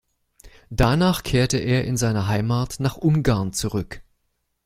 Danach kehrte er in seine Heimat nach Ungarn zurück.